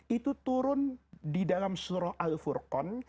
itu turun di dalam surah al furqan